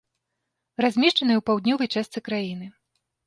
Размешчаная ў паўднёвай частцы краіны.